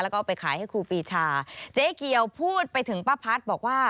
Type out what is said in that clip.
แล้วก็ไปขายให้ครูปีชาเจ๊เกียวพูดไปถึงป้าพัฒน์บอกว่า